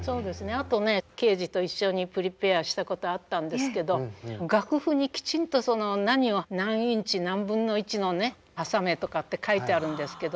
あとねケージと一緒にプリペアしたことあったんですけど楽譜にきちんとその何を何インチ何分の１のね挟めとかって書いてあるんですけど